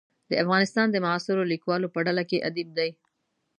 د افغانستان د معاصرو لیکوالو په ډله کې ادیب دی.